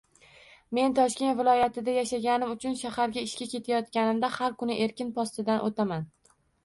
Men Toshkent viloyatida yashaganim uchun shaharga ishga ketayotganimda har kuni "Erkin" postidan o'taman